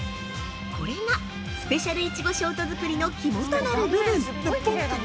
◆これがスペシャル苺ショート作りの肝となる部分。